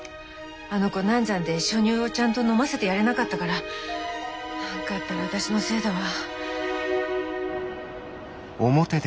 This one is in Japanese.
あの子難産で初乳をちゃんと飲ませてやれなかったから何かあったら私のせいだわ。